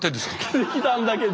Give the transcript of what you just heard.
できたんだけど。